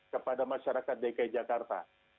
kepada masyarakat dki jakarta